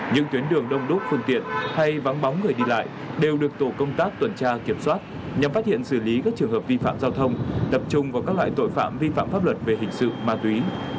những tuyến đường đông đúc phương tiện hay vắng bóng người đi lại đều được tổ công tác tuần tra kiểm soát nhằm phát hiện xử lý các trường hợp vi phạm giao thông tập trung vào các loại tội phạm vi phạm pháp luật về hình sự ma túy